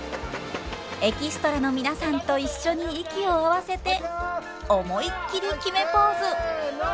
エキストラの皆さんと一緒に息を合わせて思いっきり決めポーズ！